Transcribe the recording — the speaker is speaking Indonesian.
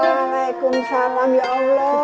waalaikumsalam ya allah